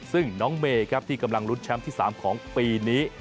ซึ่งน้องเมย์ครับที่กำลังลุ้นแชมป์ที่๓ของปีนี้